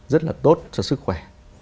rất là tốt cho sức khỏe